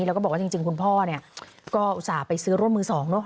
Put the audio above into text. แล้วก็บอกว่าจริงคุณพ่อเนี่ยก็อุตส่าห์ไปซื้อรถมือสองเนอะ